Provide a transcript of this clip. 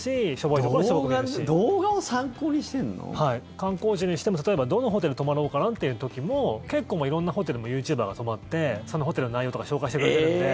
観光地にしても、どのホテルに泊まろうかなという時も結構、色んなホテルもユーチューバーが泊まってそのホテルの内容とか紹介してくれてるので。